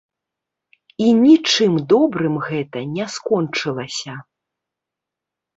І нічым добрым гэта не скончылася.